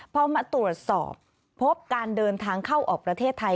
พอมาตรวจสอบพบการเดินทางเข้าออกประเทศไทย